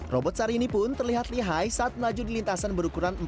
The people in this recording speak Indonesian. robot sari ini pun terlihat lihai saat melaju di lintasan berukuran empat meter